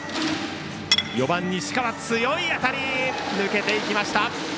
４番、西川強い当たりで抜けていきました。